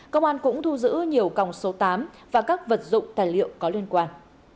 công an cũng thu giữ nhiều còng số tám và các vật dụng tài liệu có liên quan